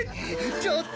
ちょっと！